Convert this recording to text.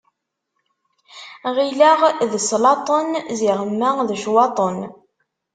Ɣileɣ d sslaṭen, ziɣemma d ccwaṭen.